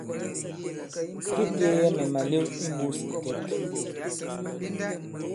Kê teeyɛ mɛ̀ màlew i mbūs ì ìkɛ̌k.